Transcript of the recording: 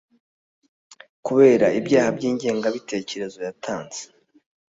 kubera ibyaha by ingengabitekerezo yatanze